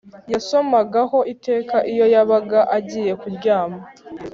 yasomagaho iteka iyo yabaga agiye kuryama